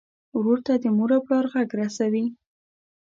ورور ته د مور او پلار غږ رسوې.